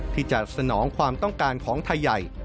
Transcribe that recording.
ที่จะสนองความต้องการของไทยใหญ่